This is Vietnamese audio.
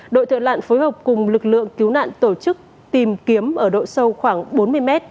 đội thợ lặn phối hợp cùng lực lượng cứu nạn tổ chức tìm kiếm ở độ sâu khoảng bốn mươi m